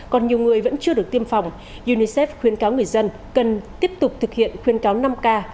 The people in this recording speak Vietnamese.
còn nhiều người vẫn chưa được tiêm phòng unicef khuyến cáo người dân cần tiếp tục thực hiện khuyên cáo năm k